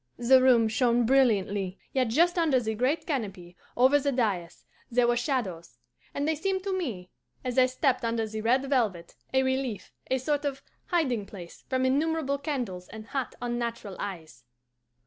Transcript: The room shone brilliantly, yet just under the great canopy, over the dais; there were shadows, and they seemed to me, as I stepped under the red velvet, a relief, a sort of hiding place from innumerable candles and hot unnatural eyes.